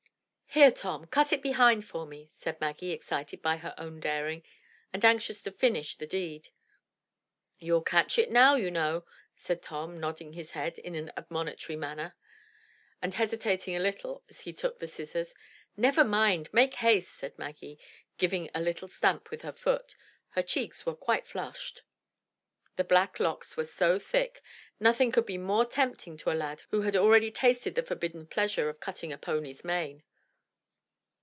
"Here, Tom, cut it behind for me," said Maggie, excited by her own daring and anxious to finish the deed. "You'll catch it, you know," said Tom, nodding his head in an admonitory manner, and hesitating a little as he took the scissors. "Never mind, make haste!" said Maggie, giving a little stamp with her foot. Her cheeks were quite flushed. The black locks were so thick, nothing could be more tempting to a lad who had already tasted the forbidden pleasure of cutting the pony's mane.